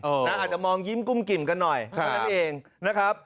อาจจะมองยิ้มกุ้มกิ่มกันหน่อยเท่านั้นเองนะครับ